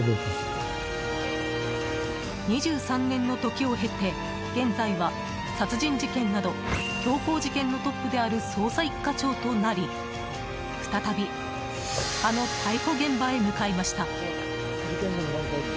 ２３年の時を経て現在は、殺人事件など凶行事件のトップである捜査１課長となり再び、あの逮捕現場へ向かいました。